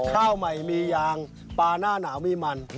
ข้าวใหม่มียางปลาหน้าหนาวมีมัน